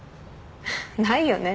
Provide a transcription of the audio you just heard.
ないよね。